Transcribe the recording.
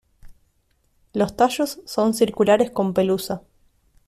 Los tallos son circulares con pelusa.